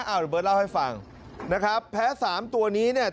เอาระเบิร์ตเล่าให้ฟังนะครับแพ้สามตัวนี้เนี่ย